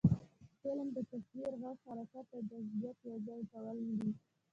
فلم د تصویر، غږ، حرکت او جذابیت یو ځای کول دي